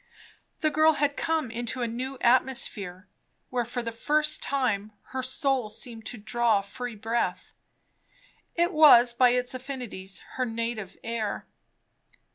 The girl had come into a new atmosphere, where for the first time her soul seemed to draw free breath. It was, by its affinities, her native air.